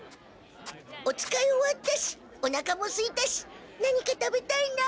お使い終わったしおなかもすいたし何か食べたいな。